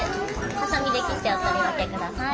はさみで切ってお取り分けください。